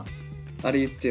あれ言ってよ。